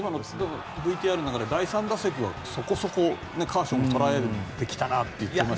ＶＴＲの中で第３打席はそこそこカーショーも捉えてきたと言っていますが。